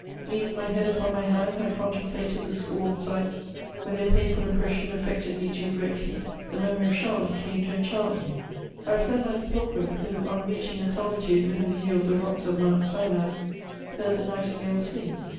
Leaning my head upon my hand, I contemplated the scorned sites; when their painful impression affected me too greatly, the memory of Charlotte came to enchant me: I was then like the pilgrim who, on reaching a solitude within view of the rocks of Mount Sinai, heard the nightingale sing.